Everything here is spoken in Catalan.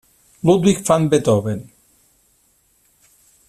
Ludwig van Beethoven.